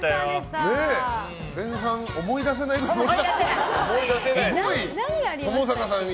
前半、思い出せないくらい。